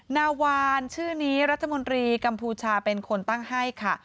นาวานชื่อนี้รัฐมนตรีกัมพูชาเป็นคนตั้งให้ค่ะ